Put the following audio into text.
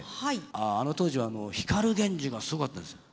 あの当時は光ＧＥＮＪＩがすごかったんですよ。